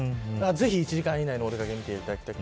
ぜひ１時間以内のお出掛けで見ていただきたい。